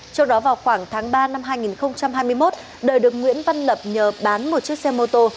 trước đó vào khoảng tháng ba năm hai nghìn hai mươi một đời được nguyễn văn lập nhờ bán một chiếc xe mô tô